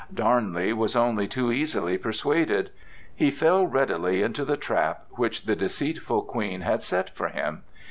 Darnley was only too easily persuaded; he fell readily into the trap which the deceitful Queen had set for him.